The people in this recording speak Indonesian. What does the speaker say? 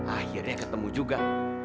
akhirnya ketemu juga